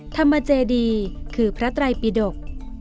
ธรรมเจดีคือพระไตรปิดก